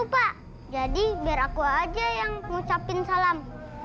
biar aku aja yang mengucapkan salam